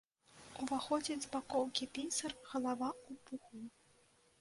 Уваходзіць з бакоўкі пісар, галава ў пуху.